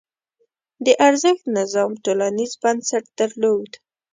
د ارزښت نظام ټولنیز بنسټ درلود.